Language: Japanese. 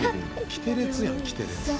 『キテレツ』やん『キテレツ』。